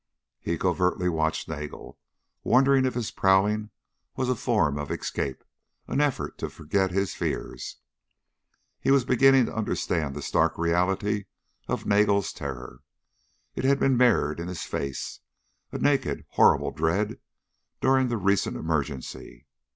He covertly watched Nagel, wondering if his prowling was a form of escape, an effort to forget his fears. He was beginning to understand the stark reality of Nagel's terror. It had been mirrored in his face, a naked, horrible dread, during the recent emergency.